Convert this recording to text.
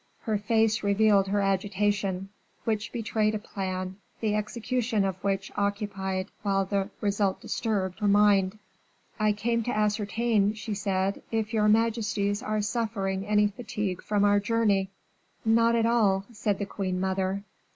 Her face revealed her agitation, which betrayed a plan, the execution of which occupied, while the result disturbed, her mind. "I came to ascertain," she said, "if your majesties are suffering any fatigue from our journey." "None at all," said the queen mother.